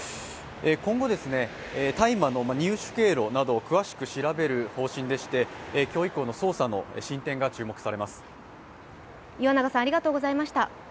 今後、大麻の入手経路などを詳しく調べる方針でして今日以降の捜査の進展が注目されます。